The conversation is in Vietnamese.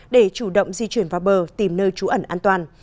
để chủ động di chuyển vào bờ tìm nơi trú ẩn an toàn